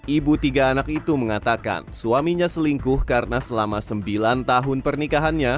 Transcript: ibu tiga anak itu mengatakan suaminya selingkuh karena selama sembilan tahun pernikahannya